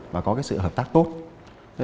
và có cái sự hợp tác tốt